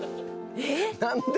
何で⁉